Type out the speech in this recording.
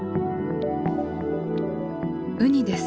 ウニです。